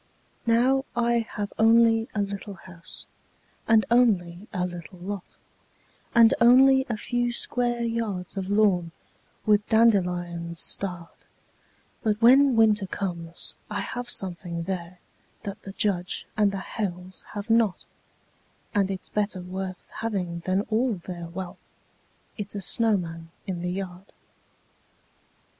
Now I have only a little house, and only a little lot, And only a few square yards of lawn, with dandelions starred; But when Winter comes, I have something there that the Judge and the Hales have not, And it's better worth having than all their wealth it's a snowman in the yard.